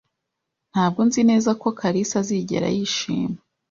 Ntabwo nzi neza ko Kalisa azigera yishima.